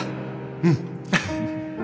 うん！